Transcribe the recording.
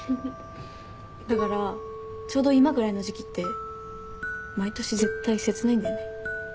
だからちょうど今ぐらいの時期って毎年絶対切ないんだよね。